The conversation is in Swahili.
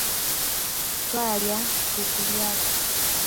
Twalya buku lyako